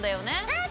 うん！